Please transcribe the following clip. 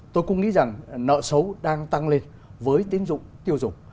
tôi nghĩ rằng nợ xấu đang tăng lên với tiến dụng tiêu dùng